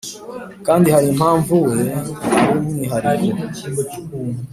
kandi harimpamvu we arumwihariko "